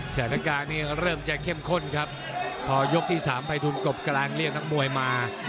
แสดงการเนี้ยเริ่มจะเข้มข้นครับพอยกที่สามภัยทุนกบกำลังเรียกทั้งมวยมา